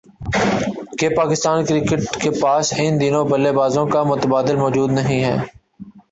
کہ پاکستان کرکٹ کے پاس ان دونوں بلے بازوں کا متبادل موجود نہیں ہے